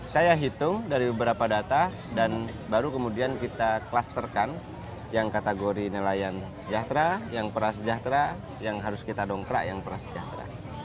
saya hitung dari beberapa data dan baru kemudian kita klasterkan yang kategori nelayan sejahtera yang prasejahtera yang harus kita dongkrak yang prasejahtera